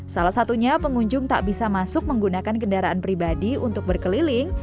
salah satunya pengunjung tak bisa masuk menggunakan kendaraan pribadi untuk berkeliling